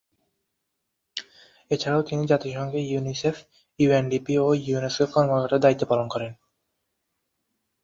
এছাড়াও তিনি জাতিসংঘে ইউনিসেফ, ইউএনডিপি ও ইউনেস্কো’র কর্মকর্তার দায়িত্ব পালন করেন।